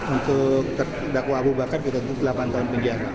untuk terdakwa abu bakar kita tuntut delapan tahun penjara